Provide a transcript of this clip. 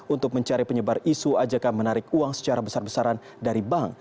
untuk mencari penyebar isu ajakan menarik uang secara besar besaran dari bank